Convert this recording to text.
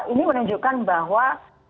ini menunjukkan bahwa